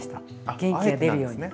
元気が出るように。